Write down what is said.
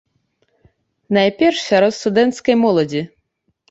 Найперш сярод студэнцкай моладзі.